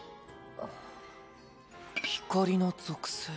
あっ光の属性。